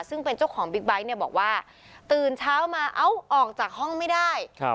ซึ่งเป็นเจ้าของบิ๊กไบท์เนี่ยบอกว่าตื่นเช้ามาเอ้าออกจากห้องไม่ได้